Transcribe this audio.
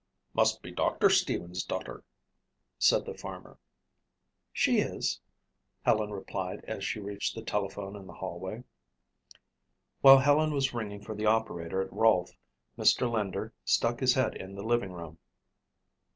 "Must be Doctor Stevens' daughter," said the farmer. "She is," Helen replied, as she reached the telephone in the hallway. While Helen was ringing for the operator at Rolfe, Mr. Linder stuck his head in the living room.